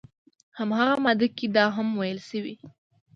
همغه ماده کې دا هم ویل شوي